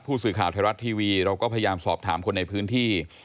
ผู้สื่อข่าวไทยรัฐทีวีเราก็พยายามสอบถามคนในพื้นที่